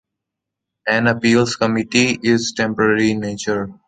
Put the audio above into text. An appeals committee is temporary in nature.